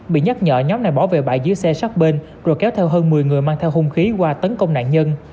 bị nhắc nhở nhóm này bỏ về bãi dưới xe sát bên rồi kéo theo hơn một mươi người mang theo hung khí qua tấn công nạn nhân